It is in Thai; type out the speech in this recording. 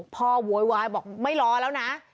โวยวายบอกไม่รอแล้วนะ